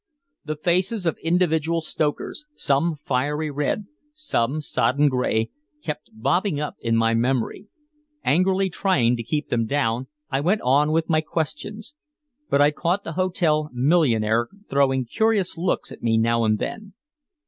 The faces of individual stokers, some fiery red, some sodden gray, kept bobbing up in my memory. Angrily trying to keep them down, I went on with my questions. But I caught the hotel millionaire throwing curious looks at me now and then.